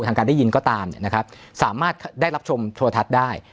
ทางการได้ยินก็ตามเนี่ยนะครับสามารถได้รับชมโทรทัศน์ได้